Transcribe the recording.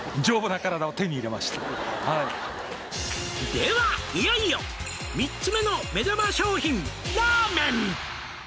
「ではいよいよ」「３つ目の目玉商品ラーメン」